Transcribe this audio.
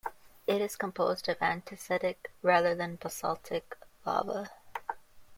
It is composed of andesitic rather than basaltic lava.